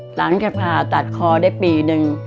หลังจากผ่าตัดคอได้ปีนึง